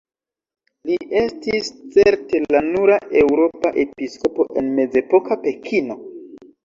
Li estis certe la nura eŭropa episkopo en mezepoka Pekino.